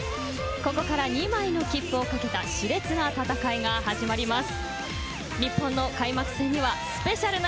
ここから２枚の切符を懸けた熾烈な戦いが始まります。